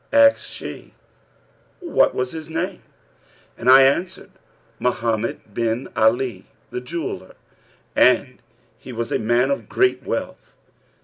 Asked she, 'What was his name?'; and I answered, 'Mohammed bin Ali the Jeweller and he was a man of great wealth.